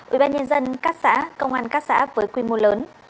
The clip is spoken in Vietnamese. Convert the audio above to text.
ủy ban nhân dân các xã công an các xã với quy mô lớn